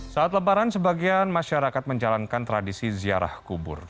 saat lebaran sebagian masyarakat menjalankan tradisi ziarah kubur